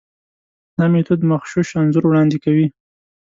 دا میتود مغشوش انځور وړاندې کوي.